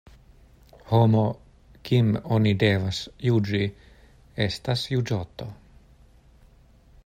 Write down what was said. Homo, kim oni devas juĝi, estas juĝoto.